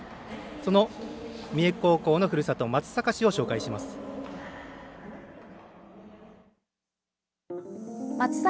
その三重高校のふるさと松阪市を紹介します。